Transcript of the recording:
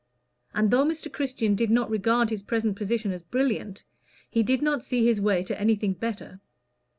And though Mr. Christian did not regard his present position as brilliant, he did not see his way to anything better.